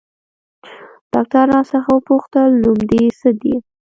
ډاکتر راڅخه وپوښتل نوم دې څه ديه.